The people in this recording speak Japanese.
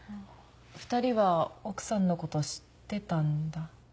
２人は奥さんのこと知ってたんだ。